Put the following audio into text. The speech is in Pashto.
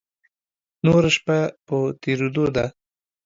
نوره شپه په تېرېدو ده.